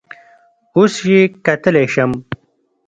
اوس یې کتلی شم؟